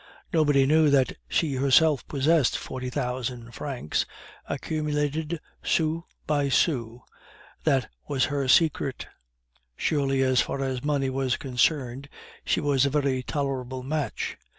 Nobody knew that she herself possessed forty thousand francs, accumulated sou by sou, that was her secret; surely as far as money was concerned she was a very tolerable match.